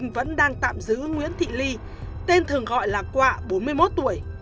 vẫn đang tạm giữ nguyễn thị ly tên thường gọi là quạ bốn mươi một tuổi